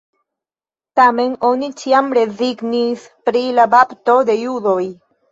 Tamen oni ĉiam rezignis pri la bapto de judoj.